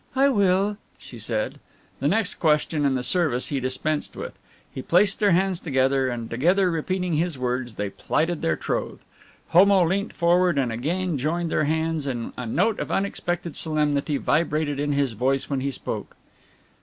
"I will," she said. The next question in the service he dispensed with. He placed their hands together, and together repeating his words, they plighted their troth. Homo leant forward and again joined their hands and a note of unexpected solemnity vibrated in his voice when he spoke.